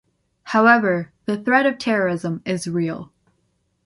However, the threat of terrorism is real.